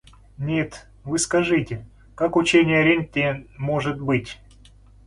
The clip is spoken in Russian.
Нет, вы скажите, как учение о ренте может быть...